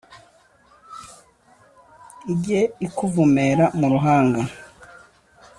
Ijye ikuvumera mu ruhanga.